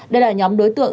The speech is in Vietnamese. đây là nhóm đối tượng